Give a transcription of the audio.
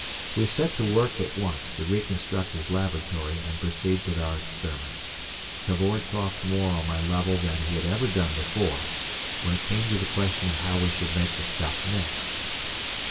We set to work at once to reconstruct his laboratory and proceed with our experiments. Cavor talked more on my level than he had ever done before, when it came to the question of how we should make the stuff next.